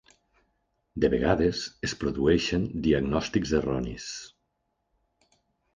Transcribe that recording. De vegades es produeixen diagnòstics erronis.